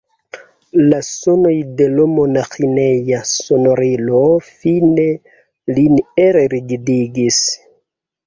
La sonoj de l' monaĥineja sonorilo fine lin elrigidigis.